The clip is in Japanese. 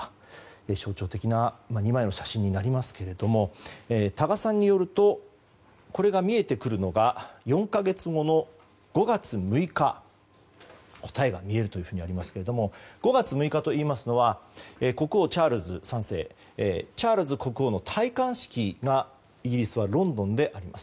象徴的な２枚の写真ですが多賀さんによるとこれが見えてくるのが４か月後の５月６日に答えが見えるとありますが５月６日といいますのは国王のチャールズ３世チャールズ国王の戴冠式がイギリス・ロンドンであります。